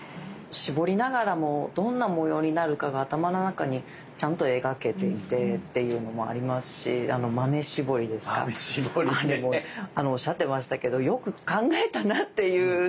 絞りながらもどんな模様になるかが頭の中にちゃんと描けていてっていうのもありますし豆絞りですかあれもあのおっしゃってましたけどよく考えたなっていうね。